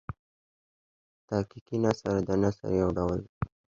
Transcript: تحقیقي نثر د نثر یو ډول دﺉ.